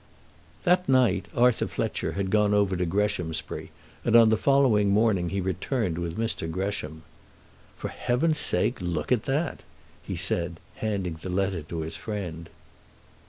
That night Arthur Fletcher had gone over to Greshamsbury, and on the following morning he returned with Mr. Gresham. "For heaven's sake, look at that!" he said, handing the letter to his friend.